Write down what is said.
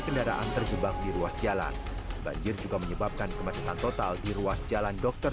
kendaraan terjebak di ruas jalan banjir juga menyebabkan kemacetan total di ruas jalan dokter